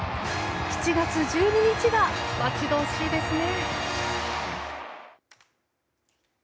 ７月１２日が待ち遠しいですね！